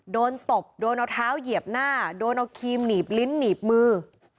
ตบโดนเอาเท้าเหยียบหน้าโดนเอาครีมหนีบลิ้นหนีบมือ